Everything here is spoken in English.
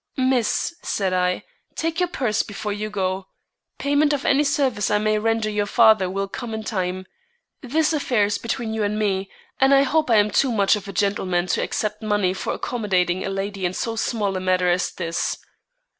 "Miss," said I, "take your purse before you go. Payment of any service I may render your father will come in time. This affair is between you and me, and I hope I am too much of a gentleman to accept money for accommodating a lady in so small a matter as this."